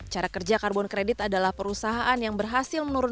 cara kerja karbon kredit adalah perusahaan yang berusaha untuk mengembangkan energi